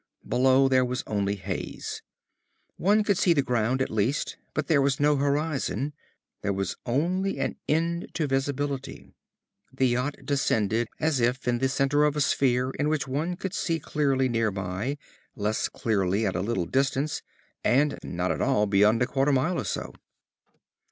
Below, there was only haze. One could see the ground, at least, but there was no horizon. There was only an end to visibility. The yacht descended as if in the center of a sphere in which one could see clearly nearby, less clearly at a little distance, and not at all beyond a quarter mile or so.